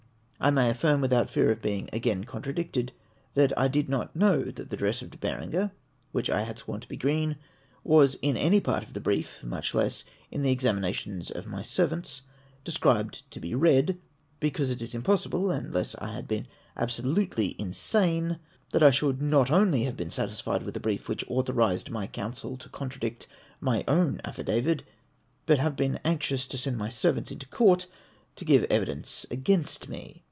I may affirm, without fear of being again contradicted, that I did not know that the dress of De Berenger, which I had sworn to be green, was in any part of the brief, much less in the examina tions of my servants, described to be red ; because it is impossible, unless I had been absolutely insane, that I should not only have been satisfied with a brief which authorised my counsel to contradict my own affidavit, but have been anxious to send my servants into court to give evidence against me.